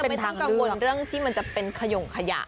จะไม่ต้องกังวลให้ขย่องขยะ